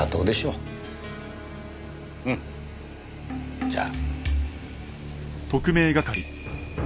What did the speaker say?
うんじゃあ。